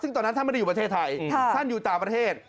ซึ่งตอนนั้นท่านไม่ได้อยู่ประเทศไทยท่านอยู่ต่างประเทศ